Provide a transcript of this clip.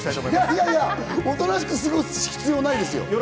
いやいや、おとなしく過ごす必要ないですよ。